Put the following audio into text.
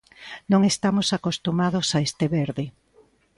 Non estamos acostumados a este verde.